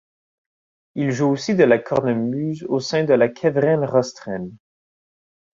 Il joue aussi de la cornemuse au sein de la Kevrenn Rostren.